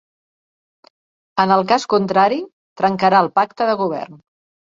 En el cas contrari, trencarà el pacte de govern.